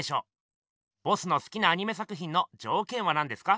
ボスのすきなアニメ作ひんのじょうけんはなんですか？